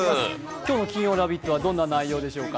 今日の金曜ラヴィット！はどんな内容でしょうか？